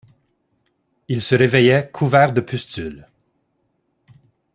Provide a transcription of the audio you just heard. Il se réveillait couvert de pustules.